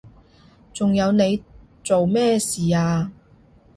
仲有你做咩事啊？